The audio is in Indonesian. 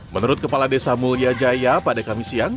menurut kepala desa mulya jaya pada kamis siang